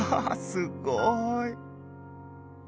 すごい！